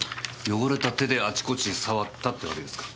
汚れた手であちこち触ったってわけですか？